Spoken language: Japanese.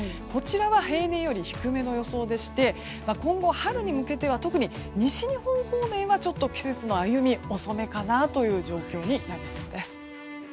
こちらは平年より低めの予想で今後、春に向けては特に西日本方面がちょっと季節の歩みが遅めかなという状況になりそうです。